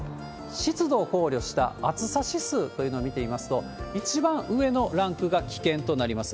湿度を考慮した暑さ指数というのを見ていきますと、一番上のランクが危険となります。